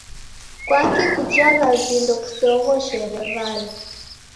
Kwaki kujagha vindo kuseoghoshere vala?